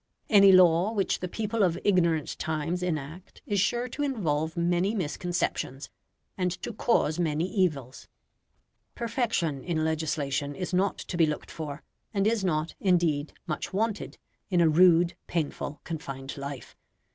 Any law which the people of ignorant times enact is sure to involve many misconceptions, and to cause many evils. Perfection in legislation is not to be looked for, and is not, indeed, much wanted in a rude, painful, confined life.